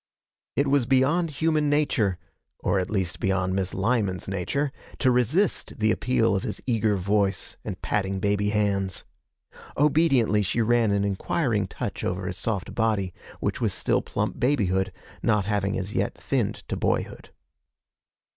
It was beyond human nature, or at least beyond Miss Lyman's nature, to resist the appeal of his eager voice and patting baby hands. Obediently she ran an inquiring touch over his soft body, which was still plump babyhood, not having as yet thinned to boyhood.